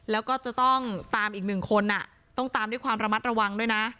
แล้วก็จะต้องตามอีกหนึ่งคนต้องตามด้วยความระมัดระวังด้วยนะ